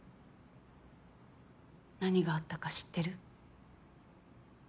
何があったか知ってる？